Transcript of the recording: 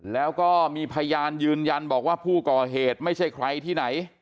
แล้วก็มีพยานยืนยันบอกว่าผู้ก่อเหตุไม่ใช่ใครที่ไหน